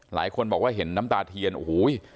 หลายคนบอกว่าเห็นน้ำตาเทียนโอ้โห